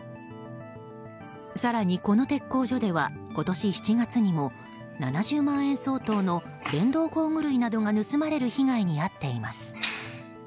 更に、この鉄工所では今年７月にも７０万円相当の電動工具類などが盗まれる被害に遭っています。